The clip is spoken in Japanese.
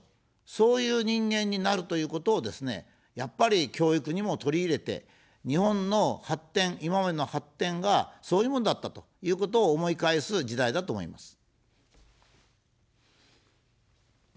そういう人間になるということをですね、やっぱり、教育にも取り入れて、日本の発展、今までの発展がそういうものだったということを思い返す時代だと思います。